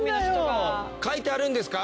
描いてあるんですか？